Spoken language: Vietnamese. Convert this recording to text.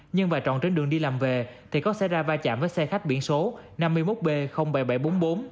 nhưng bà trọn trên đường đi làm về thì có xe ra va chạm với xe khách biển số năm mươi một b bảy nghìn bảy trăm bốn mươi bốn